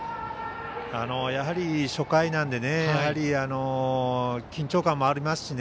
やはり初回なので緊張感もあります